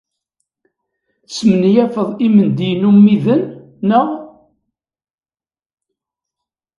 Tesmenyafeḍ imendiyen ummiden, naɣ?